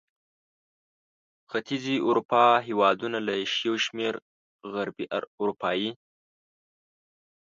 ختیځې اروپا هېوادونه له یو شمېر غربي اروپايي